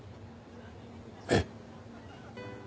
えっ！？